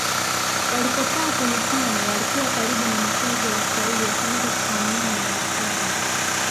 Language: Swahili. Walipokaa kwenye pwani walikuwa karibu na makazi ya Waswahili wakaanza kufahamiana na Waislamu